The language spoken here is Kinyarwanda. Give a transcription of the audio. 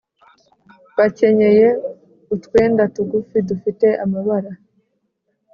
bakenyeye utwenda tugufi dufite amabara